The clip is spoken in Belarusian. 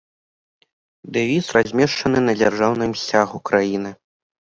Дэвіз размешчаны на дзяржаўным сцягу краіны.